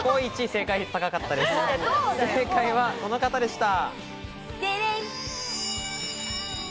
正解はこの方でした。